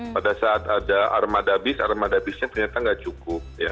pada saat ada armada bis armada bisnya ternyata nggak cukup